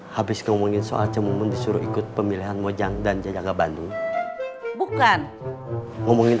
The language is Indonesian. habis ngomongin soal cemung disuruh ikut pemilihan mojang dan jaga bandung bukan ngomongin